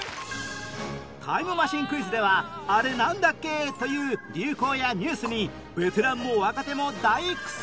タイムマシンクイズでは「あれなんだっけ？」という流行やニュースにベテランも若手も大苦戦